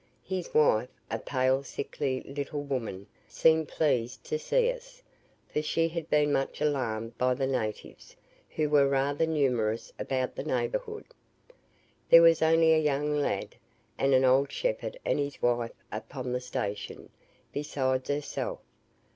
His wife, a pale sickly little woman, seemed pleased to see us, for she had been much alarmed by the natives, who were rather numerous about the neighbourhood. There was only a young lad, and an old shepherd and his wife upon the station, besides herself.